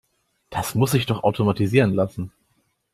Das muss sich doch automatisieren lassen.